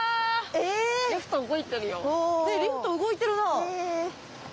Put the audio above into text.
リフト動いてるなあ。